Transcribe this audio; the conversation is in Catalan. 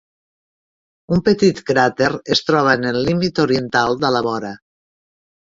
Un petit cràter es troba en el límit oriental de la vora.